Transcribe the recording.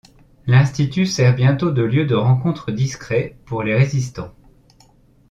L'institut sert bientôt de lieu de rencontre discret pour les résistants.